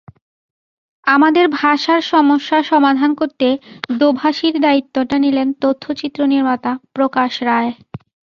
আমাদের ভাষার সমস্যা সমাধান করতে দোভাষীর দায়িত্বটা নিলেন তথ্যচিত্র নির্মাতা প্রকাশ রায়।